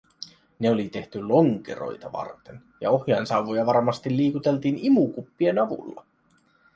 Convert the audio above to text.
Ne oli tehty lonkeroita varten, ja ohjainsauvoja varmasti liikuteltiin imukuppien avulla.